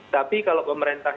tapi kalau pemerintah